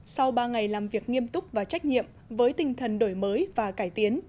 sau ba ngày làm việc nghiêm túc và trách nhiệm với tinh thần đổi mới và cải tiến